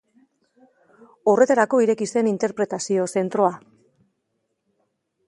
Horretarako ireki zen interpretazio zentroa.